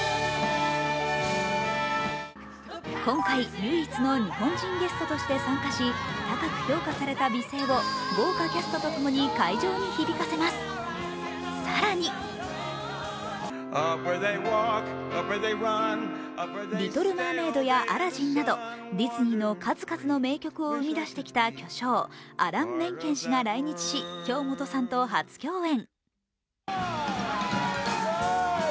今回唯一の日本人ゲストとして参加し高く評価された美声を豪華キャストとともに会場に響かせます、更に「リトル・マーメイド」や「アラジン」などディズニーの数々の名曲を生み出してきた巨匠、アラン・メンケン氏が来日し、京本さんと初共演。